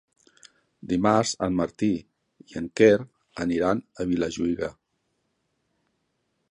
Dimarts en Martí i en Quer aniran a Vilajuïga.